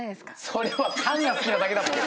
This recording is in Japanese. それはタンが好きなだけだっぺよ。